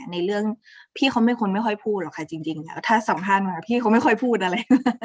ในเรื่องพี่เขาเป็นคนไม่ค่อยพูดหรอกค่ะจริงแล้วถ้าสัมภาษณ์มาพี่เขาไม่ค่อยพูดอะไร